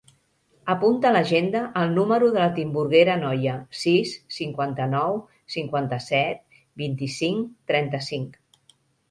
Apunta a l'agenda el número de la Timburguera Noya: sis, cinquanta-nou, cinquanta-set, vint-i-cinc, trenta-cinc.